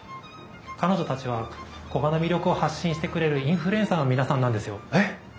彼女たちは古河の魅力を発信してくれるインフルエンサーの皆さんなんですよ。えっ！